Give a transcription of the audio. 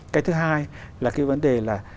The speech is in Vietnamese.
cái thứ hai là cái vấn đề là